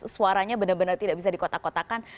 suaranya benar benar tidak bisa dikotak kotakan